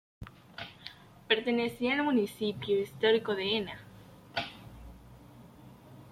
Pertenecía al municipio histórico de Ena.